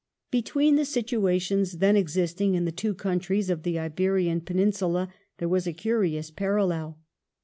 Between the situations then existing in the two countries of the Iberian Peninsula there was a curious parallel.